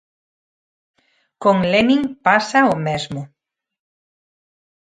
Con Lenin pasa o mesmo.